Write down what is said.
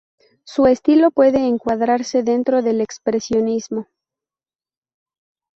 Su estilo puede encuadrarse dentro del expresionismo.